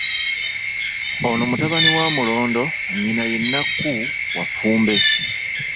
Ono mutabani wa Mulondo nnyina ye Nnakku, wa Ffumbe.